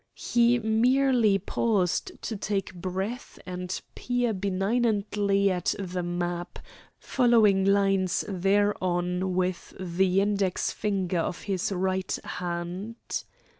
He merely paused to take breath and peer benignantly at the map, following lines thereon with the index finger of his right hand.